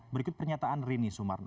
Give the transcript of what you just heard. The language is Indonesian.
berikut pernyataan rini sumarno